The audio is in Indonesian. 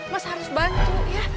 mas harus bantu ya